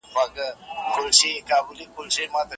یو نړیوال متخصص ته.